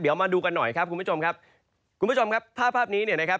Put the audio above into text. เดี๋ยวมาดูกันหน่อยครับคุณผู้ชมครับคุณผู้ชมครับถ้าภาพนี้เนี่ยนะครับ